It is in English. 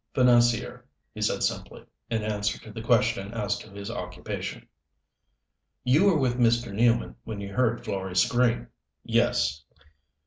Financier, he said simply, in answer to the question as to his occupation. "You were with Mr. Nealman when you heard Florey's scream?" "Yes."